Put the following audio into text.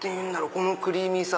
このクリーミーさ。